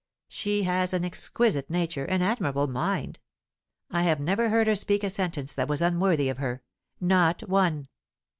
She has an exquisite nature, an admirable mind. I have never heard her speak a sentence that was unworthy of her, not one!"